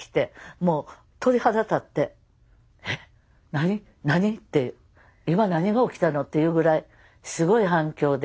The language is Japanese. えっ何何って今何が起きたのっていうぐらいすごい反響で。